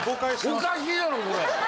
おかしいだろそれ。